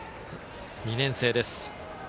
２年生です。